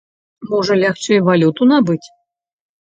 Можа, лягчэй валюту набыць?